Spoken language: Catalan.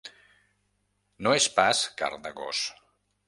No és pas carn de gos.